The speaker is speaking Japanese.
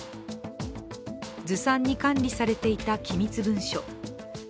ずさんに管理されていた機密文書。